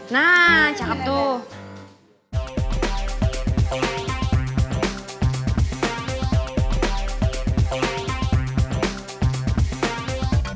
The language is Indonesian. nah cakep tuh